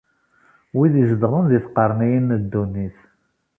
Wid izedɣen di tqerniyin n ddunit.